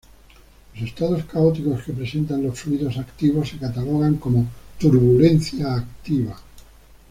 Los estados caóticos que presentan los fluidos activos se catalogan como turbulencia activa.